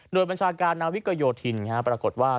โดยบัญชาการนาวิกโยธินปรากฏว่า